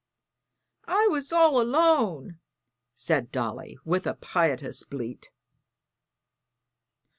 "I was all alone," said Dolly, with a piteous bleat.